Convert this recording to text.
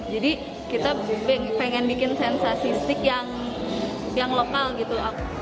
jadi kita pengen bikin sensasi steak yang lokal gitu